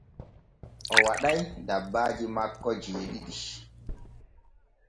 O waɗay dabbaaji makko jeeɗiɗi.